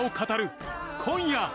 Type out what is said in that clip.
今夜！